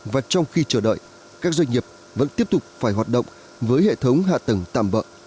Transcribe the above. và trong khi chờ đợi các doanh nghiệp vẫn tiếp tục phải hoạt động với hệ thống hạ tầng tạm bỡ